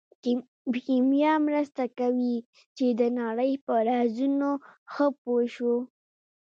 کیمیا مرسته کوي چې د نړۍ په رازونو ښه پوه شو.